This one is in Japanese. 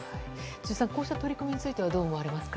辻さん、こうした取り組みはどう思われますか。